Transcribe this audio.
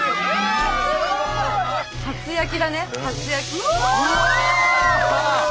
初焼きだね初焼き。